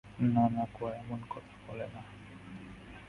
নানাকো, এমন কথা বলে না।